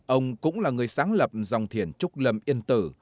ông cũng là người sáng lập dòng thiền trúc lâm yên tử